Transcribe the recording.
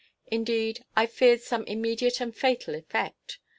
Indeed, I feared some immediate and fatal effect.